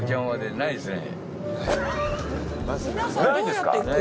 ないですね。